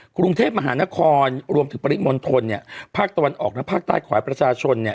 กรุงเทพมหานครรวมถึงปริมณฑลเนี่ยภาคตะวันออกและภาคใต้ขวายประชาชนเนี่ย